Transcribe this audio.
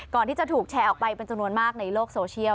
ก่อนที่จะถูกแชร์ออกไปเป็นจำนวนมากในโลกโซเชียล